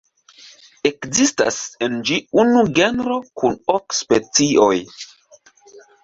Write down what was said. Ekzistas en ĝi unu genro kun ok specioj.